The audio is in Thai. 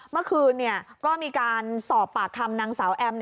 เมื่อคืนก็มีการสอบปากคำนางสาวแอม